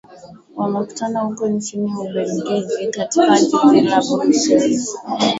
wamekutana huko nchini ubelgiji katika jiji la brussels